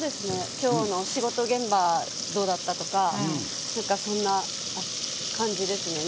今日の仕事現場どうだったとかそんな感じですね。